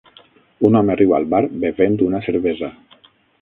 Un home riu al bar bevent una cervesa